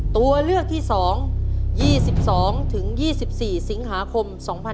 ตัวเลือกที่๒๒๒๔สิงหาคม๒๕๖๒